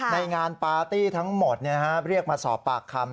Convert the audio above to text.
ในงานปาร์ตี้ทั้งหมดเรียกมาสอบปากคำ